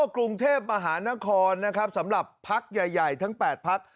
กรุงเทพมหานครนะครับสำหรับพักใหญ่ทั้ง๘พัก